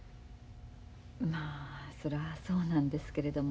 まあそらそうなんですけれども。